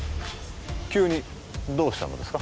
急にどうしたのですか？